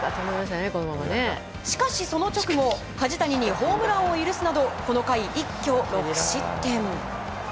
しかし、その直後梶谷にホームランを許すなどこの回、一挙６失点。